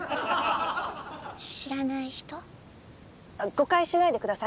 誤解しないでください。